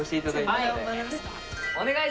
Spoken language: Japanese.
はい。